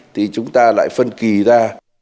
thì chúng ta lại phân kỳ ra